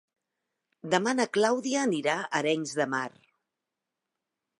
Demà na Clàudia anirà a Arenys de Mar.